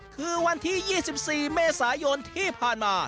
คือวันที่๒๔เมษายนที่ผ่านมา